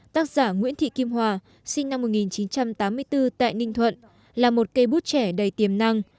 tác giả nguyễn thị kim hòa sinh năm một nghìn chín trăm tám mươi bốn tại ninh thuận là một cây bút trẻ đầy tiềm năng